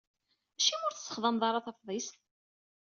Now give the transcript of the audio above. Acimi ur tessexdameḍ ara tafḍist?